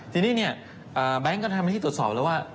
ทีนี้เนี่ยแบงค์ก็ทำหน้าที่ตรวจสอบแล้วว่า